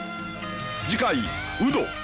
次回ウド。